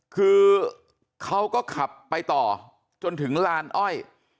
คือเขาก็ขับไปต่อจนถึงลานอ้อย